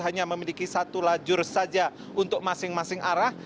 hanya memiliki satu lajur saja untuk masing masing arah